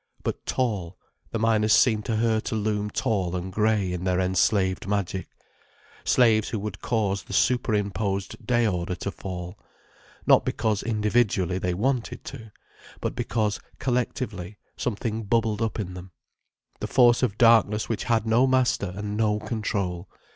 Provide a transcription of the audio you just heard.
But tall—the miners seemed to her to loom tall and grey, in their enslaved magic. Slaves who would cause the superimposed day order to fall. Not because, individually, they wanted to. But because, collectively, something bubbled up in them, the force of darkness which had no master and no control.